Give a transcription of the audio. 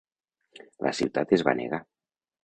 La ciutat es va negar.